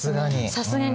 さすがに。